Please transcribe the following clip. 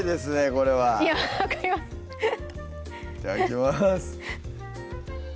これは分かりますいただきます